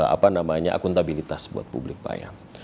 apa namanya akuntabilitas buat publik pak ya